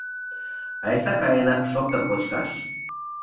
Айста каена шоптыр кочкаш